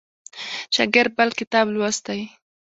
شاګرد بل کتاب لوستی.